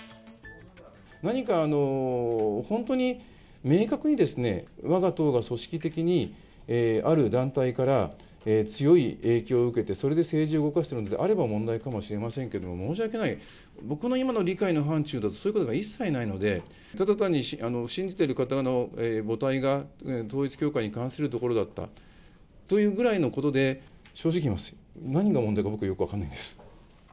何か本当に明確にですね、わが党が組織的にある団体から強い影響を受けて、それで政治を動かしているのであれば、問題かもしれませんけれども、申し訳ない、僕の今の理解の範ちゅうだと、そういうことが一切ないので、ただ単に信じている方の母体が統一教会に関するところだったというぐらいのことで、正直言います、何が問題か僕、よく分からないです。